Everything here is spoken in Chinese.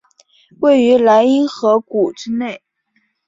位于莱茵河谷之内。